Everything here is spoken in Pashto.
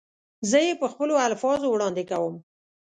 زه یې په خپلو الفاظو وړاندې کوم.